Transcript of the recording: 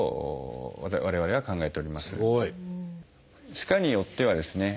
歯科によってはですね